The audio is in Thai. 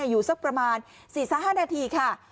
อยู่สักประมาณ๔๕นาทีค่ะ